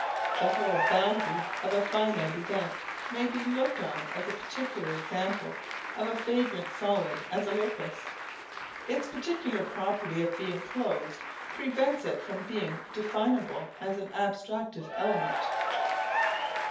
The whole boundary of a finite event may be looked on as a particular example of a vagrant solid as a locus. Its particular property of being closed prevents it from being definable as an abstractive element.